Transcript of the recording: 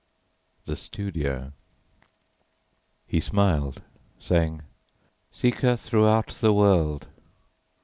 THE STUDIO He smiled, saying, "Seek her throughout the world."